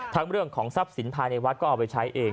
เรื่องของทรัพย์สินภายในวัดก็เอาไปใช้เอง